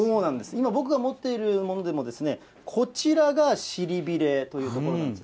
今僕が持っているものでも、こちらが尻びれという所なんです。